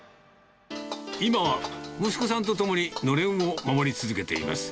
今は息子さんとともにのれんを守り続けています。